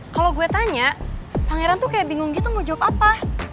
kalau gue tanya pangeran tuh kayak bingung gitu mujuk apa